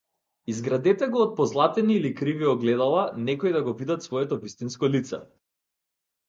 Изградете го од позлатени или криви огледала, некои да го видат своето вистинско лице.